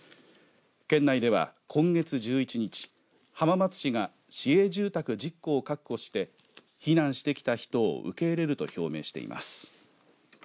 県内では今月１１日浜松市が市営住宅１０戸を確保して避難してきた人を受け入れると表明しています。